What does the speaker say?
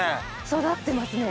育ってますね。